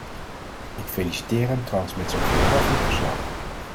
Ik feliciteer hem trouwens met zijn voortreffelijk verslag.